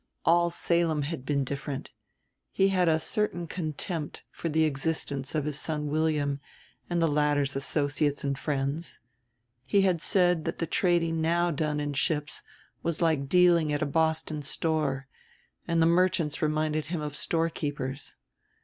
All Salem had been different: he had a certain contempt for the existence of his son William and the latter's associates and friends. He had said that the trading now done in ships was like dealing at a Boston store, and the merchants reminded him of storekeepers.